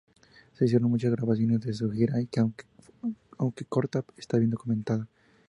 Se hicieron muchas grabaciones de su gira, que, aunque corta, está bien documentada.